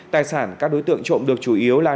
tài sản các đối tượng trộm được chủ yếu là